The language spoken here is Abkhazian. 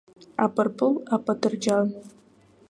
Апырпыл, апатырџьан.